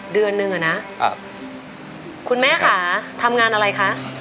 เดือนนึงอะนะคุณแม่ค่ะทำงานอะไรคะ